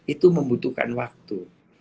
itu membutuhkan waktu